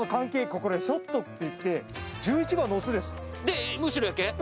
これショットっていって１１番のオスですで後ろヤケイ？